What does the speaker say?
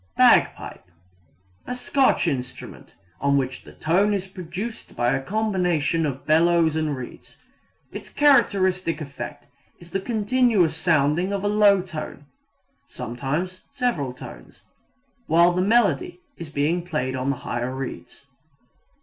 Bagpipe A Scotch instrument on which the tone is produced by a combination of bellows and reeds. Its characteristic effect is the continuous sounding of a low tone (sometimes several tones) while the melody is being played on the higher reeds.